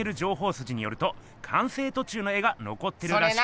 すじによると完成とちゅうの絵がのこってるらしく。